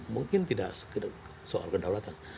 mungkin tidak soal kedaulatan